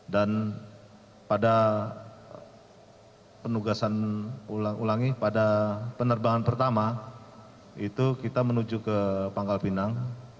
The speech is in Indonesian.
dan pada penugasan ulangi pada penerbangan pertama itu kita menuju ke pangkal pinang